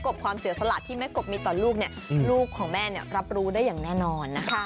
บความเสียสละที่แม่กบมีต่อลูกลูกของแม่รับรู้ได้อย่างแน่นอนนะคะ